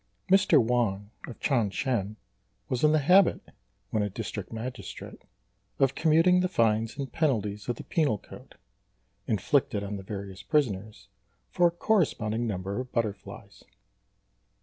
Mr. Wang, of Ch'ang shan, was in the habit, when a District Magistrate, of commuting the fines and penalties of the Penal Code, inflicted on the various prisoners, for a corresponding number of butterflies.